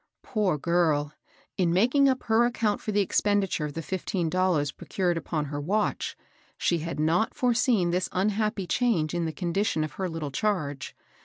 Poor girl I in makmg up her account for the ex penditure of the fifteen dollars procured upon her watch, she had not foreseen this unhappy change in the condition of her little charge.